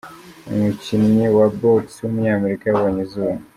umukinnyi wa Box w’umunyamerika yabonye izuba.